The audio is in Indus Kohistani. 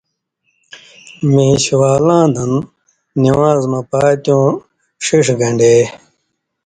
میشوالاں دن نِوان٘ز مہ پاتیوں ݜِݜ گن٘ڈے